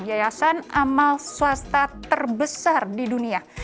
yayasan amal swasta terbesar di dunia